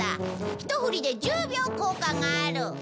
ひと振りで１０秒、効果がある。